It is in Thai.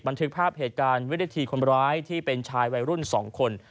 บันทึกภาพเหตุการณ์วินาทีคนร้ายที่เป็นชายวัยรุ่น๒คน